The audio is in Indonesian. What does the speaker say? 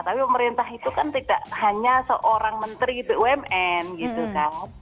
tapi pemerintah itu kan tidak hanya seorang menteri bumn gitu kan